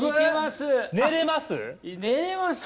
寝れます？